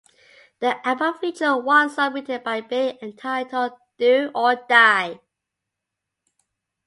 The album featured one song written by Billy entitled "Do or Die".